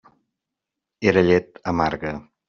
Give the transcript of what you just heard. Era llet amarga.